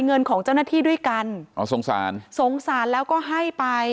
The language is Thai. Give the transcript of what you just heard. เงินของเจ้าหน้าที่ด้วยกันอ๋อสงสารสงสารแล้วก็ให้ไป